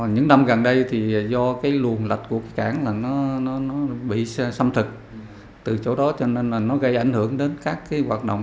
những năm gần đây thì do cái luồng lạch của cảng nó bị xâm thực từ chỗ đó cho nên nó gây ảnh hưởng đến các hoạt động